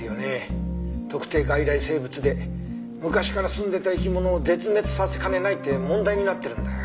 特定外来生物で昔からすんでいた生き物を絶滅させかねないって問題になってるんだよ。